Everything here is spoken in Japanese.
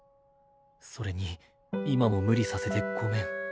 それに今も無理させてごめん。